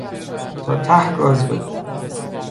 تا ته گاز بده!